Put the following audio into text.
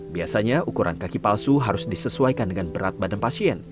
biasanya ukuran kaki palsu harus disesuaikan dengan berat badan pasien